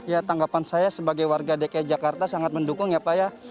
ya tanggapan saya sebagai warga dki jakarta sangat mendukung ya pak ya